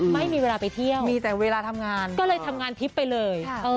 ไม่มีเวลาไปเที่ยวมีแต่เวลาทำงานก็เลยทำงานทิพย์ไปเลย